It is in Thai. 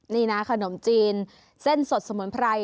นี่นะขนมจีนเส้นสดสมนพลัย